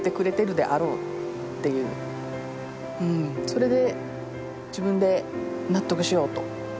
それで自分で納得しようと。